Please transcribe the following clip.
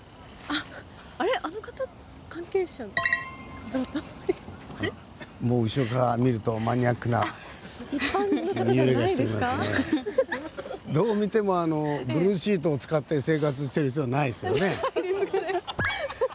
あの方もう後ろから見るとどう見てもブルーシートを使って生活してる人じゃないですよね。